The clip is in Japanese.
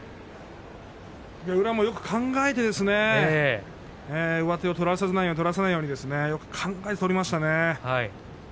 宇良もよく考えて上手を取らせないように取らせないようによく考えて取りましたね。